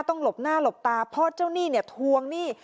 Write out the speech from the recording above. หลบหน้าหลบตาเพราะเจ้าหนี้เนี่ยทวงหนี้